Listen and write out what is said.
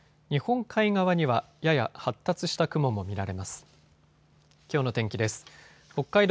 日本海側にはやや発達した雲も見られます。